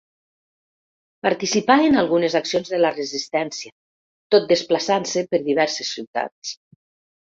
Participarà en algunes accions de la resistència, tot desplaçant-se per diverses ciutats.